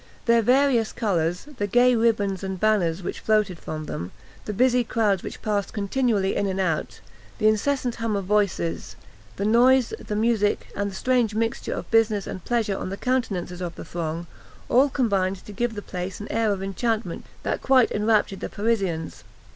Their various colours, the gay ribands and banners which floated from them, the busy crowds which passed continually in and out the incessant hum of voices, the noise, the music, and the strange mixture of business and pleasure on the countenances of the throng, all combined to give the place an air of enchantment that quite enraptured the Parisians.